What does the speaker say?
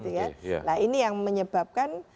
nah ini yang menyebabkan